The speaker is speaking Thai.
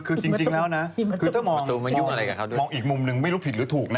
คือจริงแล้วนะคือถ้ามองอีกมุมหนึ่งไม่รู้ผิดหรือถูกนะ